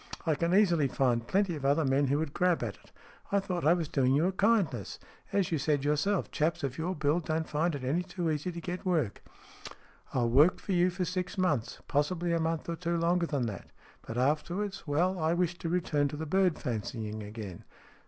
I can easily find plenty of other men who would grab at it. I thought I was doing you a kindness. As you said yourself, chaps of your build don't find it any too easy to get work." " I will work for you for six months possibly a month or two longer than that. But, afterwards, well, I wish to return to the bird fancying again."